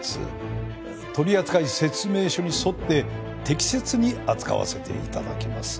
取扱説明書に沿って適切に扱わせて頂きます。